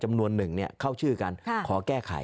จำนวนหนึ่งเข้าชื่อการขอแก้ไข